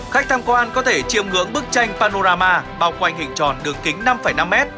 khách tham quan có thể chiêm ngưỡng bức tranh panorama bao quanh hình tròn đường kính năm năm m